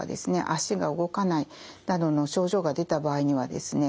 足が動かないなどの症状が出た場合にはですね